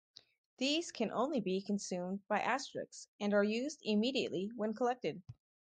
These can only be consumed by Asterix, and are used immediately when collected.